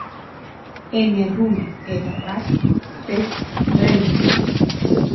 E me rome er arrat peth vrente.